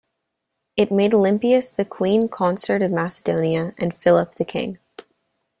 It made Olympias the queen consort of Macedonia, and Philip the king.